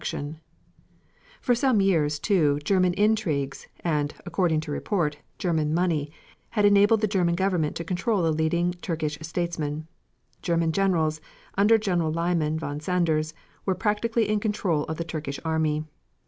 ] SKETCH OF TERRITORY CONTROLLED BY TURKEY IN 1914 For some years, too, German intrigues, and, according to report, German money, had enabled the German Government to control the leading Turkish statesmen. German generals, under General Liman von Sanders, were practically in control of the Turkish army.